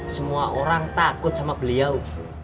semua orang takut sama beliau